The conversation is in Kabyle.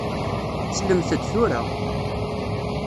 Slemt-d tura!